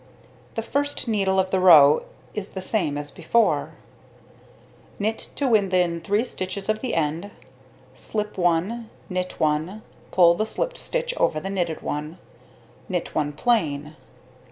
The first needle of the row is the same as before. Knit to within 3 stitches of the end, slip 1, knit 1, pull the slipped stitch over the knitted one, knit 1 plain.